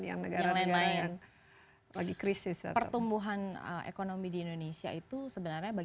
yang negara lain yang lagi krisis pertumbuhan ekonomi di indonesia itu sebenarnya